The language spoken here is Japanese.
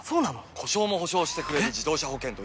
故障も補償してくれる自動車保険といえば？